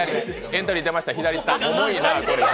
エントリー出ました、左下。